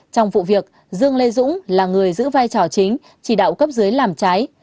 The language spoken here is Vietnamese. trong vụ việc dương lê dũng là người giữ vai trò chính chỉ đạo cấp dưới làm trái